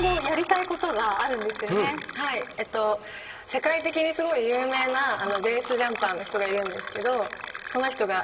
世界的にすごい有名なベースジャンパーの人がいるんですけどその人が。